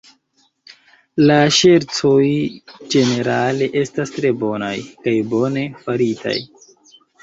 La ŝercoj ĝenerale estas tre bonaj, kaj bone faritaj.